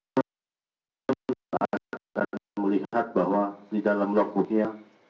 pengen melihat bahwa di dalam logbooknya